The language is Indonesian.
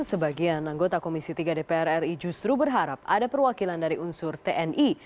sebagian anggota komisi tiga dpr ri justru berharap ada perwakilan dari unsur tni